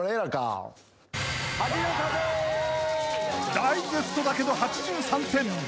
［ダイジェストだけど８３点］